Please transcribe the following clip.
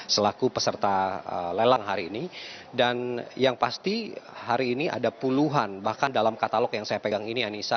selaku peserta lelang hari ini dan yang pasti hari ini ada puluhan bahkan dalam katalog yang saya pegang ini anissa